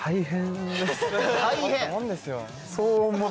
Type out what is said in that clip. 大変？